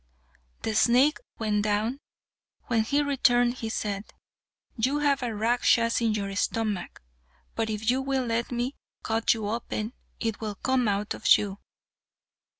The snake went down: when he returned he said, "You have a Rakshas in your stomach, but if you will let me cut you open, it will come out of you."